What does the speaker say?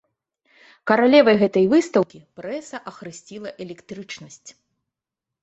Каралевай гэтай выстаўкі прэса ахрысціла электрычнасць.